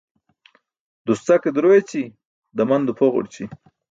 Duscake duro eći daman duphogurći